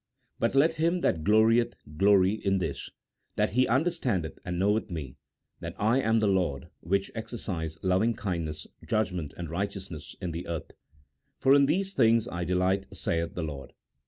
" But let him that glorieth glory in this, that he understandeth and knoweth Me, that I am the Lord which exercise loving kindness, judgment, and righteousness in the earth ; for in these things I de light, saith the Lord."